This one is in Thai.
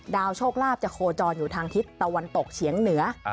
โชคลาภจะโคจรอยู่ทางทิศตะวันตกเฉียงเหนือ